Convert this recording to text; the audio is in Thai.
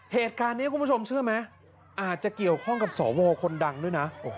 เหตุการณ์นี้คุณผู้ชมเชื่อไหมอาจจะเกี่ยวข้องกับสวคนดังด้วยนะ